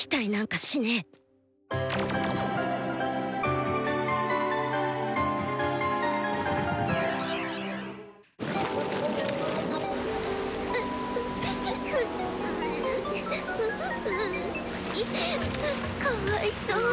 かわいそう。